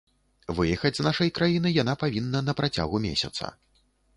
Выехаць з нашай краіны яна павінна на працягу месяца.